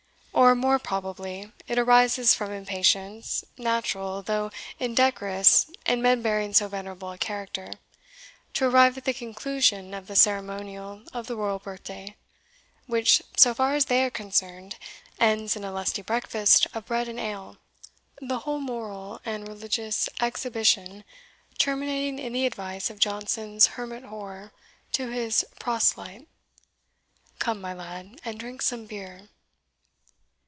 Or, more probably, it arises from impatience, natural, though indecorous in men bearing so venerable a character, to arrive at the conclusion of the ceremonial of the royal birth day, which, so far as they are concerned, ends in a lusty breakfast of bread and ale; the whole moral and religious exhibition terminating in the advice of Johnson's "Hermit hoar" to his proselyte, Come, my lad, and drink some beer.